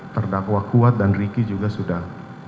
terdakwah kuat dan ricky juga sudah